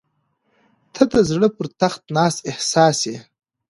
• ته د زړه پر تخت ناست احساس یې.